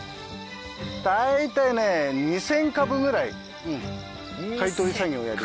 大体ね２０００株ぐらい刈り取り作業をやります。